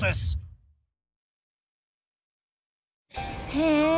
へえ！